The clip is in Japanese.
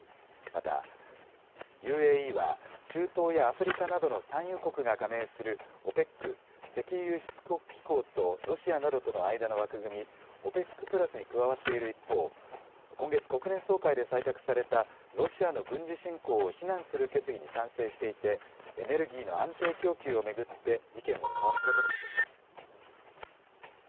また、ＵＡＥは中東やアフリカなどの産油国が加盟するＯＰＥＣ・石油輸出国機構とロシアなどとの間の枠組み、ＯＰＥＣプラスに加わっている一方、今月、国連総会で採択されたロシアの軍事侵攻を非難する決議に賛成していてエネルギーの安定供給を巡って意見を交わすことにしています。